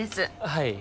はい